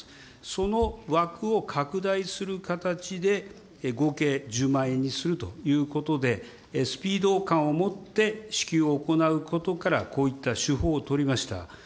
その枠を拡大する形で、合計１０万円にするということで、スピード感を持って支給を行うことからこういった手法を取りました。